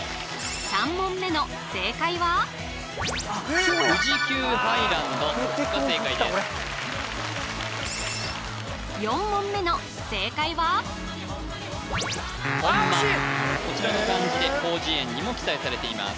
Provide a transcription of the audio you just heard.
３問目の正解はそうや出てこんかったこれ４問目の正解はこちらの漢字で広辞苑にも記載されています